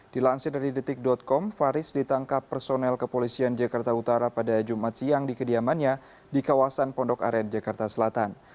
dilansir dari detik com faris ditangkap personel kepolisian jakarta utara pada jumat siang di kediamannya di kawasan pondok aren jakarta selatan